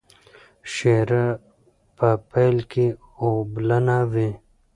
شیره په پیل کې اوبلنه وي.